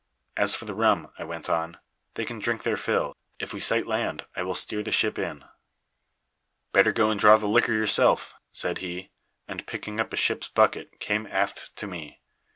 'As for the rum,' I went on, 'they can drink their fill. If we sight land, I will steer the ship in.' "'Better go and draw the liquor yourself,' said he, and, picking up a ship's bucket, came aft to me.